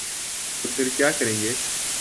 تو پھر کیا کریں گے؟